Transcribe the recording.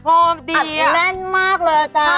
อัดแน่นมากเลยอ่ะจ๊ะ